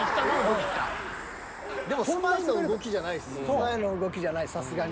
スパイの動きじゃないさすがに。